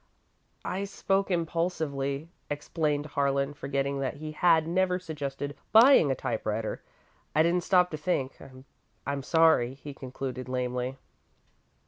"I spoke impulsively," explained Harlan, forgetting that he had never suggested buying a typewriter. "I didn't stop to think. I'm sorry," he concluded, lamely.